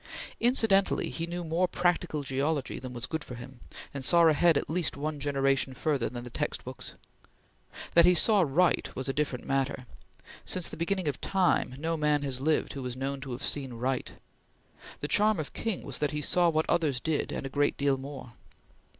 Incidentally he knew more practical geology than was good for him, and saw ahead at least one generation further than the text books. That he saw right was a different matter. Since the beginning of time no man has lived who is known to have seen right; the charm of King was that he saw what others did and a great deal more.